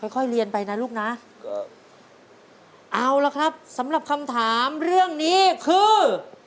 ค่อยเรียนไปนะลูกนะเอาละครับสำหรับคำถามเรื่องนี้คือ